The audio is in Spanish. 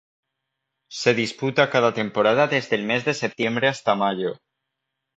Se disputa cada temporada desde el mes de Septiembre hasta Mayo.